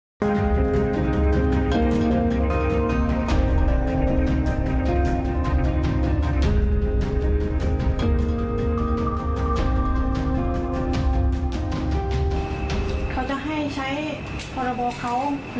อันดับที่สุดท้ายอันดับที่สุดท้าย